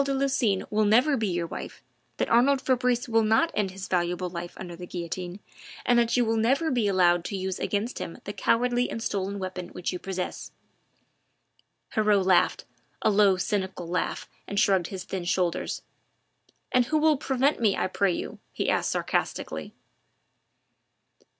de Lucines will never be your wife, that Arnould Fabrice will not end his valuable life under the guillotine and that you will never be allowed to use against him the cowardly and stolen weapon which you possess." Heriot laughed a low, cynical laugh and shrugged his thin shoulders: "And who will prevent me, I pray you?" he asked sarcastically.